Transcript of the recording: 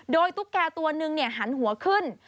โดยตุ๊กแกตัวหนึ่งเนี่ยหันหัวขึ้น